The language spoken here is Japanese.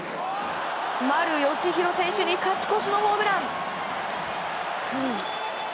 丸佳浩選手に勝ち越しのホームラン。